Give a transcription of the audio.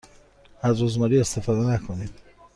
از رزماری استفاده نکنید.